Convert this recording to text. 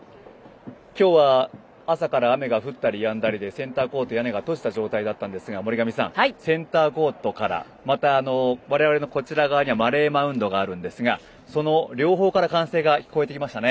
今日は朝から雨が降ったりやんだりでセンターコート、屋根が閉じた状態だったんですが森上さん、センターコートからまた我々のこちら側にはマレーマウントがあるんですがその両方から歓声が聞こえてきましたね。